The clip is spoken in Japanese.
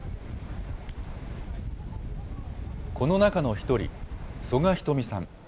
この中の１人、曽我ひとみさん。